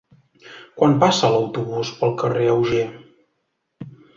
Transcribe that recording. Quan passa l'autobús pel carrer Auger?